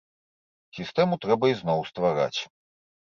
Сістэму трэба ізноў ствараць.